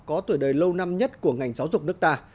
có tuổi đời lâu năm nhất của ngành giáo dục nước ta